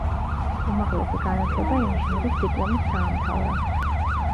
უმაღლესი განათლება ინჟინრის დიპლომით დაამთავრა.